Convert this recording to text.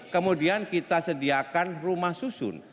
kemudian kita sediakan rumah susun